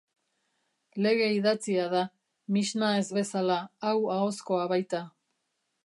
Lege idatzia da, Mishnah ez bezala, hau ahozkoa baita.